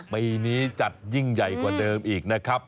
ปีนี้จัดยิ่งใหญ่กว่าเดิมอีกนะครับ